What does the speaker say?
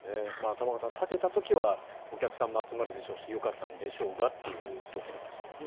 玉川さん、建てた時はお客さんも集まるでしょうしよかったんでしょうがというところですけれどもね。